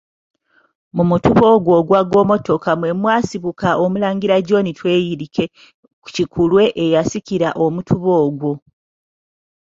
Mu mutuba ogwo ogwa Ggomotoka, mwe mwasibuka Omulangira John Tweyirike Kikulwe eyasikira Omutuba ogwo.